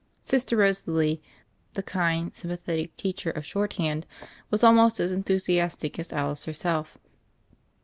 Sister Rosalie, the kind, sympathetic teacher of shorthand, was almost as enthusiastic as Alice herself.